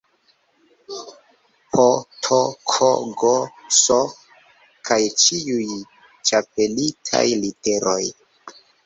P, T, K, G, S kaj ĉiuj ĉapelitaj literoj